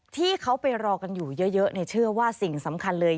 ที่เขาไปรอกันอยู่เยอะเชื่อว่าสิ่งสำคัญเลย